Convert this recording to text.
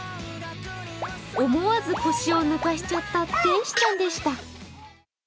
思わず腰を抜かしちゃった天使ちゃんでした。